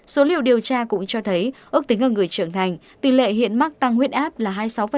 số liệu điều tra cũng cho thấy ước tính ở người trưởng thành tỷ lệ hiện mắc tăng huyết áp là hai mươi sáu